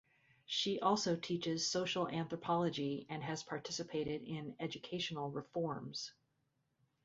She also teaches social anthropology and has participated in educational reforms.